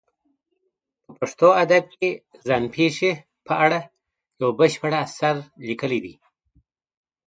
په پښتو ادب کې ځان پېښې په اړه یو بشپړ اثر لیکلی دی.